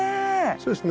そうですね。